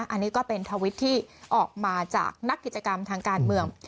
อันนี้ก็เป็นทวิตที่ออกมาจากนักกิจกรรมทางการเมือง